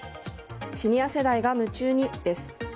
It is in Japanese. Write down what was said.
シニア世代が夢中にです。